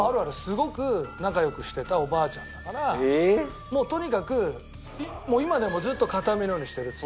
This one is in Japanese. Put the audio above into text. すごく仲良くしてたおばあちゃんだからとにかく今でもずっと形見のようにしてる」。